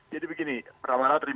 jadi begini terima kasih